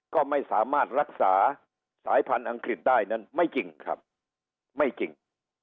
ก็ไม่สามารถรักษาสายพันธุ์อังกฤษได้นั้นไม่จริงครับไม่จริง